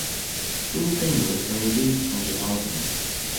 Two singles were released from the album.